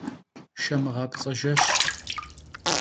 Şşemığapts'e jjeşş.